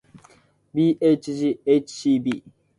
bhghcb